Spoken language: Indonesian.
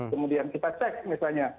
kemudian kita cek misalnya